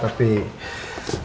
tidak bisa ya